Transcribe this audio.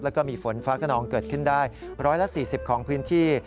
แล้วก็มีฝนฟ้าขนองเกิดขึ้นได้๑๔๐ของพื้นที่